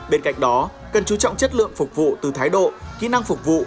bên cạnh đó cần chú trọng chất lượng phục vụ từ thái độ kỹ năng phục vụ